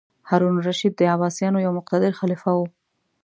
هارون الرشید د عباسیانو یو مقتدر خلیفه و.